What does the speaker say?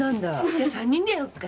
じゃあ３人でやろっか。